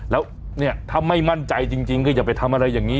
แล้วเนี่ยถ้าไม่มั่นใจจริงก็อย่าไปทำอะไรอย่างนี้